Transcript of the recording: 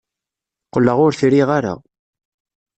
Qqleɣ ur t-riɣ ara.